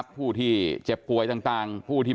ผู้ที่เจ็บป่วยต่าง